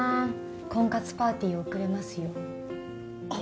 婚活パーティー遅れますよあっ